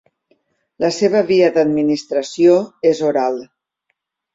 La seva via d'administració és oral.